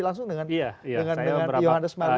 langsung dengan johannes marlim